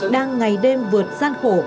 đang ngày đêm vượt gian khổ